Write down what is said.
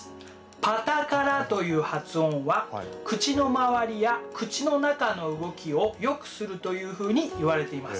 「パタカラ」という発音は口の周りや口の中の動きをよくするというふうにいわれています。